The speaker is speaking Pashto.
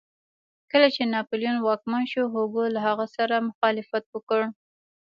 کله چې ناپلیون واکمن شو هوګو له هغه سره مخالفت وکړ.